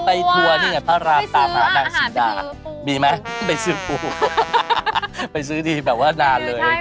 ไปทัวร์พระนามตามหานางศรีดา